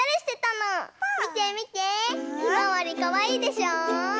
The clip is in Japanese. ひまわりかわいいでしょう？かわいい！